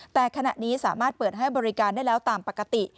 แต่ขณะนี้สามารถเปิดให้บริการได้แล้วตามปกติ